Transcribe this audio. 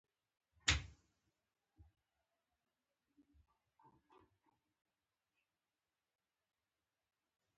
فرانسویانو پر یوه ستر ابتکار لاس پورې کړ.